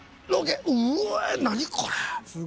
うえ何これ？